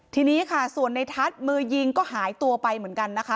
ทีนี้ค่ะส่วนในทัศน์มือยิงก็หายตัวไปเหมือนกันนะคะ